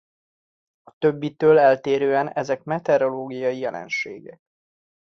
A többitől eltérően ezek meteorológiai jelenségek.